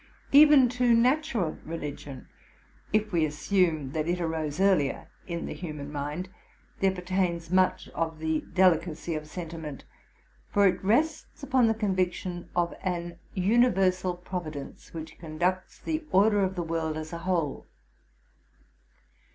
Eyen to natural religion, if we assume that it arose earlier in the human mind, there pertains much of delicacy of sentiment; for it rests upon the conviction of an universal prov idenc e, which conducts the order of the world as a whole.